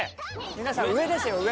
皆さん上ですよ上上。